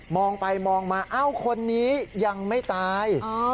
องไปมองมาเอ้าคนนี้ยังไม่ตาย